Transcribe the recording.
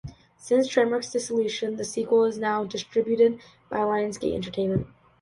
Since Trimark's dissolution, the sequel is now distributed by Lions Gate Entertainment.